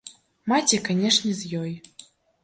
Маці, канешне, з ёй.